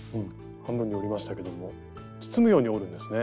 半分に折りましたけども包むように折るんですね。